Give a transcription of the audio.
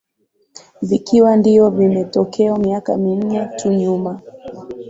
Vikiwa ndio vimetokeo miaka minne tu nyuma